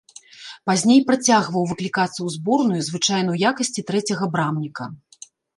Пазней працягваў выклікацца ў зборную, звычайна ў якасці трэцяга брамніка.